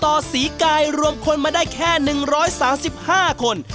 ตัวนำสิกายรวมคนมาได้แค่๑๓๕คน